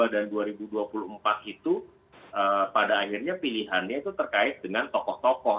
dua dan dua ribu dua puluh empat itu pada akhirnya pilihannya itu terkait dengan tokoh tokoh